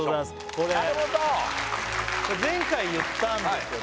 これなるほど前回言ったんですよね